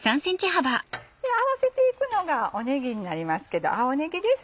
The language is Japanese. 合わせていくのがねぎになりますけど青ねぎです。